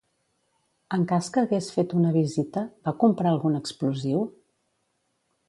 En cas que hagués fet una visita, va comprar algun explosiu?